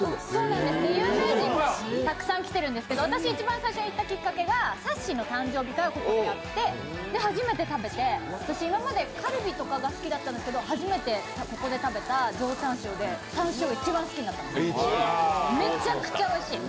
有名人もたくさん来てるんですけど私、最初に行ったきっかけがさっしーの誕生日会をここでやって、初めて食べて今までカルビとかが好きだったんですけど、初めてここで食べた上タン塩でタン塩一番好きになったんです、めちゃくちゃおいしい。